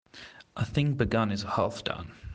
A thing begun is half done.